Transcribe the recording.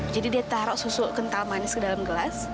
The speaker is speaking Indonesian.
jadi dia taruh susu kental manis ke dalam gelas